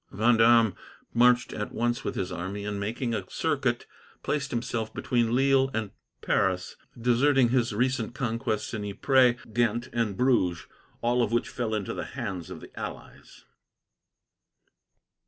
Vendome marched at once with his army, and, making a circuit, placed himself between Lille and Paris, deserting his recent conquests in Ypres, Ghent, and Bruges, all of which fell into the hands of the allies.